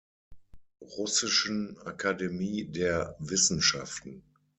Russischen Akademie der Wissenschaften.